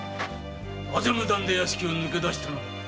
なぜ無断で屋敷を抜け出したのだ？